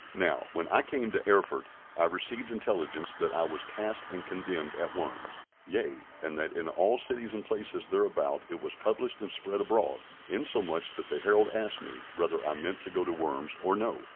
Now, when I came to Erfurt, I received intelligence that I was cast and condemned at Worms, yea, and that in all cities and places thereabout it was published and spread abroad; insomuch that the herald asked me, whether I meant to go to Worms, or no?